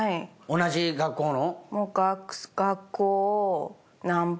同じ学校の？